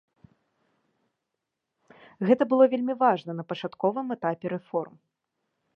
Гэта было вельмі важна на пачатковым этапе рэформ.